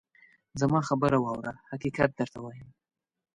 زما خبره واوره ! حقیقت درته وایم.